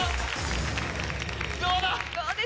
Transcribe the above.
どうだ？